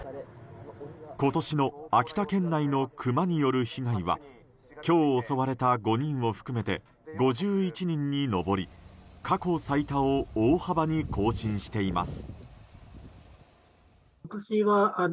今年の秋田県内のクマによる被害は今日襲われた５人を含めて５１人に上り過去最多を大幅に更新しています。